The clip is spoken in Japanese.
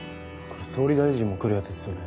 これ総理大臣も来るやつですよね。